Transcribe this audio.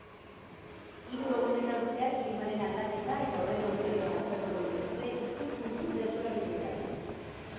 Hiru egunetan zehar klimaren aldaketa eta horren ondorioak aztertuko dituzte, ikuspuntu desberdinetatik.